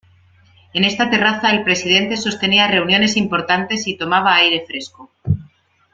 En esta terraza el presidente sostenía reuniones importantes y tomaba aire fresco.